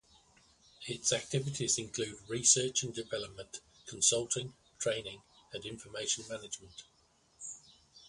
Its activities include research and development, consulting, training and information management.